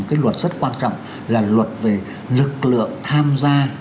cái luật rất quan trọng là luật về lực lượng tham gia